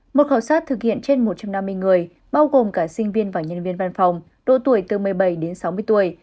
một khảo sát thực hiện trên một trăm năm mươi người bao gồm cả sinh viên và nhân viên văn phòng độ tuổi từ một mươi bảy đến sáu mươi tuổi